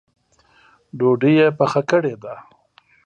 ډوډۍ یې پخه کړې ده؟